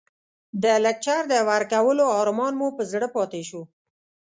د لکچر د ورکولو ارمان مو په زړه پاتې شو.